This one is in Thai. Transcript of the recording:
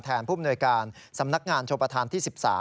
แทนภูมิหน่วยการสำนักงานโชปภัทรที่๑๓